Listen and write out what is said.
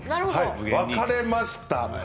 分かれました。